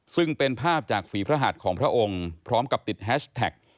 ซึ่งเป็นภาพจากฝีพระหัสของพระองค์พร้อมกับติดแฮชแท็ก